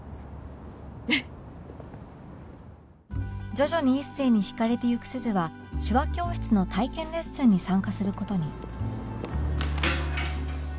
徐々に一星に惹かれていく鈴は手話教室の体験レッスンに参加する事に